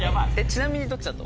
ちなみに。